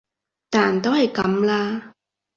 但都係噉啦